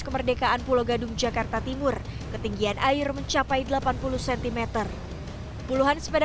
kemerdekaan pulau gadung jakarta timur ketinggian air mencapai delapan puluh cm puluhan sepeda